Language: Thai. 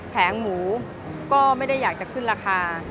แผงหมูก็ไม่ได้อยากจะขึ้นราคา